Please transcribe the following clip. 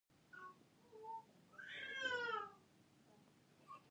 ازادي راډیو د هنر په اړه د خلکو نظرونه خپاره کړي.